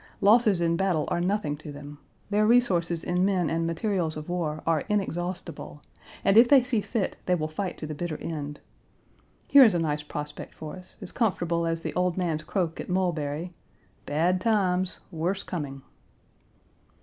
Losses in battle are nothing to them. Their resources in men and materials of war are inexhaustible, and if they see fit they will fight to the bitter end. Here is a nice prospect for us as comfortable as the old man's croak at Mulberry, "Bad times, worse coming."